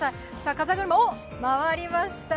風車、回りました。